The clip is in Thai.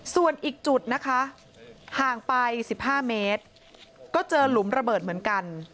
ส่วนอีกจุดนะคะห่างไป๑๕เมตรก็เจอหลุมระเบิดเหมือนกัน